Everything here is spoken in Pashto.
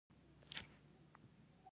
غرونه د طبیعت یوه بېساري ښکلا لري.